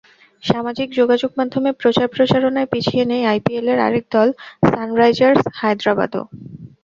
সামাজিক যোগাযোগমাধ্যমে প্রচার প্রচারণায় পিছিয়ে নেই আইপিএলের আরেক দল সানরাইজার্স হায়দরাবাদও।